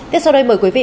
tiếp sau đây mời quý vị